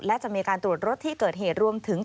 และจะมีการตรวจรถที่เกิดเหตุรวมถึง